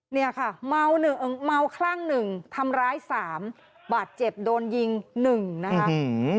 นี่ค่ะเมาคลั่ง๑ทำร้าย๓บาดเจ็บโดนยิง๑นะคะ